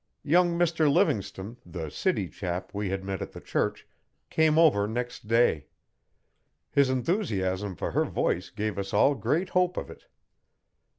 Young Mr Livingstone, 'the city chap' we had met at the church, came over next day. His enthusiasm for her voice gave us all great hope of it.